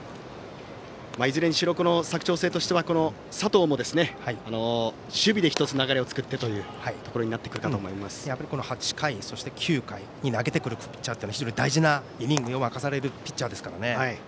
いずれにしろ佐久長聖としては佐藤も守備で１つ、流れを作ってと８回、そして９回に投げてくるピッチャーは非常に大事なイニングを任されるピッチャーですからね。